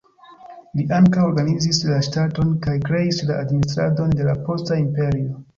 Li ankaŭ organizis la ŝtaton, kaj kreis la administradon de la posta imperio.